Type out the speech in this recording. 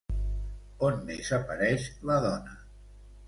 On més apareix la dona?